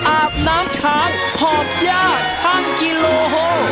อาบน้ำช้างหอบย่าช่างกิโลโฮ